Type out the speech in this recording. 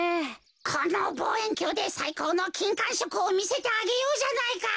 このぼうえんきょうでさいこうのきんかんしょくをみせてあげようじゃないか。